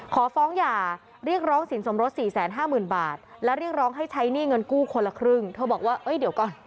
ขอฟ้องหย่าเรียกร้องสินสมรส๔๕๐๐๐บาทและเรียกร้องให้ใช้หนี้เงินกู้คนละครึ่งเธอบอกว่าเอ้ยเดี๋ยวก่อน